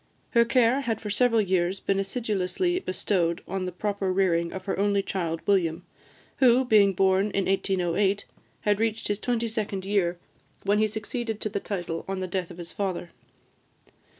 Her care had for several years been assiduously bestowed on the proper rearing of her only child William, who, being born in 1808, had reached his twenty second year when he succeeded to the title on the death of his father.